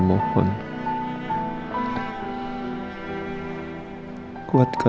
di tempat itu